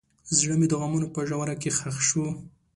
زړه مې د غمونو په ژوره کې ښخ شو.